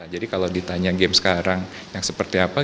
jadi kalau ditanya game sekarang yang seperti apa